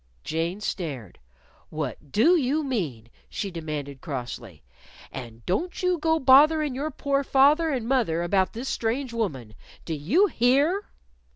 Jane stared. "What do you mean?" she demanded crossly. "And don't you go botherin' your poor father and mother about this strange woman. Do you _hear?